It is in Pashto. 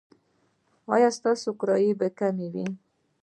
ایا ستاسو کرایه به کمه وي؟